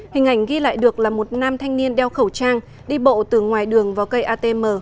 hình ảnh ghi lại được là một nam thanh niên đeo khẩu trang đi bộ từ ngoài đường vào cây atm